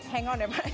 hang on deh pak